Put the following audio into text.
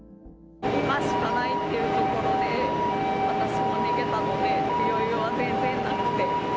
今しかないっていうところで、私も逃げたので、余裕が全然なくて。